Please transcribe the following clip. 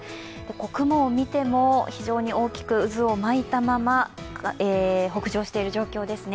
雲を見ても非常に大きく渦を巻いたまま北上している状況ですね。